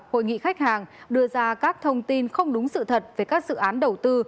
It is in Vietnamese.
hội nghị khách hàng đưa ra các thông tin không đúng sự thật về các dự án đầu tư